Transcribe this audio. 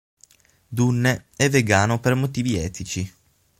Dunne è vegano per motivi etici.